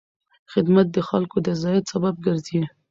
خدمت د خلکو د رضایت سبب ګرځي.